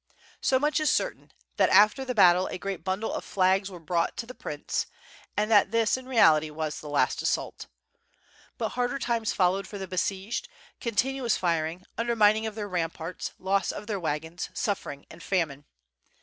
So much is certain, that after the battle, a great bundle of flags were brought to the prince, and that this in reality was the last assault. But harder times followed for the besieged, continuous firing, undermining of their ramparts, loss of their wagons, suffer ing and famine.